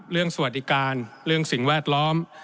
สวัสดิการเรื่องสิ่งแวดล้อม